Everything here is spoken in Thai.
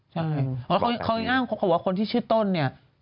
ใช่เขาย้างว่าคนที่ชื่อต้นเนี่ย